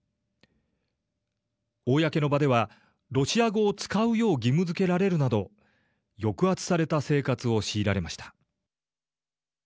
公の場ではロシア語を使うよう義務づけられるなど抑圧された生活を強いられました。